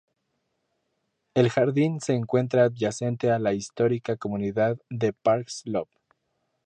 El jardín se encuentra adyacente a la histórica comunidad de Park Slope.